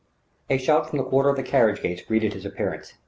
A shout from the quarter of the carriage gates greeted his appearance.